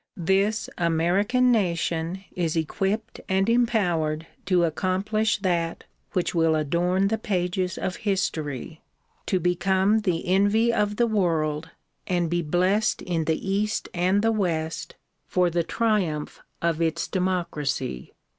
This American nation is equipped and empowered to accomplish that which will adorn the pages of history, to become the envy of the world and be blest in the east and the west for the triumph of its 100 THE PROMULGATION OF UNIVERSAL PEACE democracy.